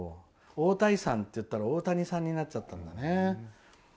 太田胃散って言ったら大谷さんになっちゃったのね。